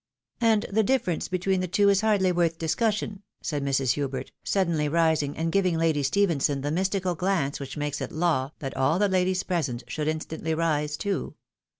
" And the difference between the two is hardly worth dis cussion," said Mrs. Hubert, suddenly rising and giving Lady Stephenson the mystical glance which makes it law that all the ladies present should instantly rise too.